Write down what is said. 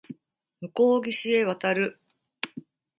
向こう岸へ渡る